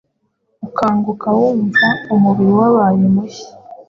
ukanguka wumva umubiri wabaye mushya